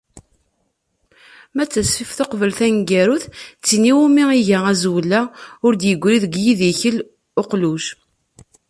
Ma d tasefift uqbel taneggarut-a, tin iwumi iga azwel-a "Ur d-yeggri deg yidikel uqluj."